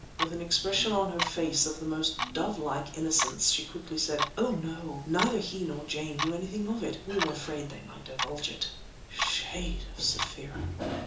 With an expression on her face of the most dove like innocence, she quickly said: "Oh! no! neither he nor Jane knew anything of it. We were afraid they might divulge it." Shade of Sapphira!